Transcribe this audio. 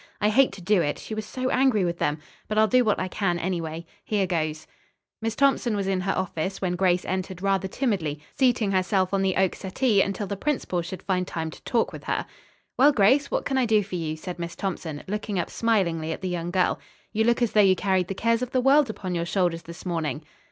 I hate to do it, she was so angry with them. But I'll do what I can, anyway. Here goes." Miss Thompson was in her office when Grace entered rather timidly, seating herself on the oak settee until the principal should find time to talk to talk with her. "Well, Grace, what can I do for you?" said Miss Thompson, looking up smilingly at the young girl. "You look as though you carried the cares of the world upon your shoulders this morning."